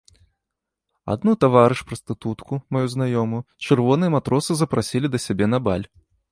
Адну таварыш прастытутку, маю знаёмую, чырвоныя матросы запрасілі да сябе на баль.